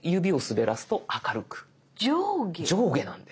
上下なんです。